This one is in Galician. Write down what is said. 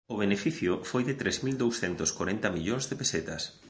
O beneficio foi de tres mil douscentos corenta millóns de pesetas